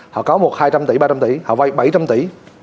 họ có một hai trăm linh tỷ ba trăm linh tỷ họ vay bảy trăm linh tỷ